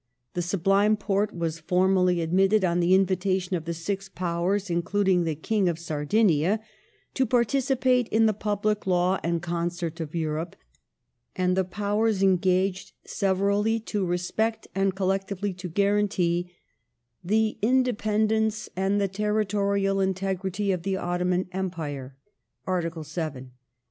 The Sublime Porte was formally admitted, on the invitation of the Six Powers (including the King of Sardinia), to " participate in the public law and concert of Europe," and the Powers engaged severally to respect, and collec tively to guarantee "the independence and the territorial integrity of the Ottoman Empire ". (Art. vii.)